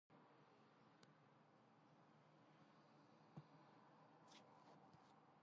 მორიგე ჯარმა მნიშვნელოვანი როლი შეასრულა ქართველი ხალხის ეროვნული თვითმყოფობის შენარჩუნების საქმეში.